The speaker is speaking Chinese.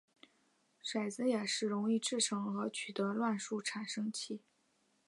骰子也是容易制作和取得的乱数产生器。